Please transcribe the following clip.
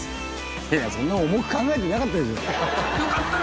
いやそんな重く考えてなかったでしょ。